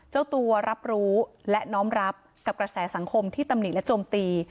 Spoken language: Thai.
เจ้าตัวรับรู้และน้อมรับกับกระแสสังคมที่ตำหนิและโจมตี